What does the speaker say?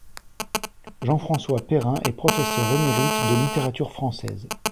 Jean-François Perrin est professeur émérite de littérature française.